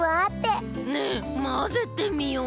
ねえまぜてみよう！